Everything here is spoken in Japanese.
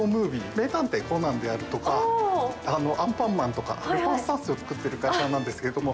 『名探偵コナン』であるとか『アンパンマン』とか『ルパン三世』を作ってる会社なんですけれども。